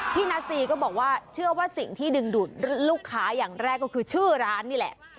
นาซีก็บอกว่าเชื่อว่าสิ่งที่ดึงดูดลูกค้าอย่างแรกก็คือชื่อร้านนี่แหละ